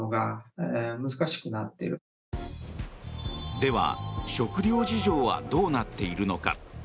では、食料事情はどうなっているのか。